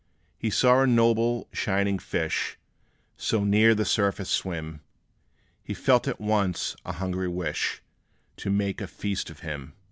He saw a noble, shining fish So near the surface swim, He felt at once a hungry wish To make a feast of him.